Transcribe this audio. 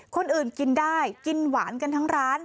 คนอื่นกินได้กินหวานกันทั้งร้าน